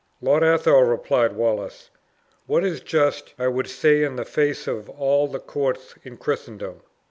"Lord Athol," replied Wallace, "what is just I would say in the face of all the courts in Christendom.